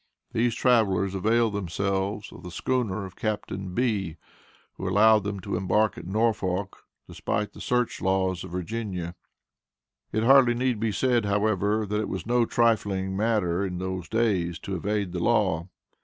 These travelers availed themselves of the schooner of Captain B. who allowed them to embark at Norfolk, despite the search laws of Virginia. It hardly need be said, however, that it was no trifling matter in those days, to evade the law.